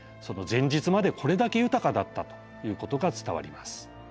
その前日までこれだけ豊かだったということが伝わります。